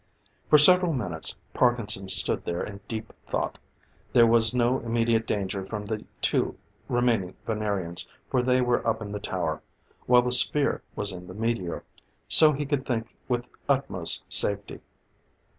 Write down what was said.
For several minutes Parkinson stood there in deep thought. There was no immediate danger from the two remaining Venerians, for they were up in the tower, while the sphere was in the meteor; so he could think with utmost safety.